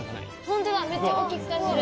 ホントだめっちゃ大きく感じる。